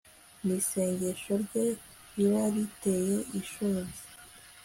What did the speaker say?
n'isengesho rye riba riteye ishozi